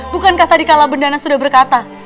bukankah tadi kala bendana sudah berkata